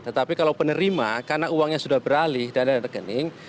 tetapi kalau penerima karena uangnya sudah beralih dan ada rekening